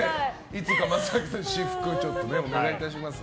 いつか松崎さんの私服お願いします。